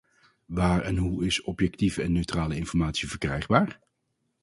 Waar en hoe is objectieve en neutrale informatie verkrijgbaar?